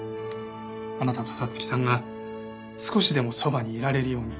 あなたと彩月さんが少しでもそばにいられるように。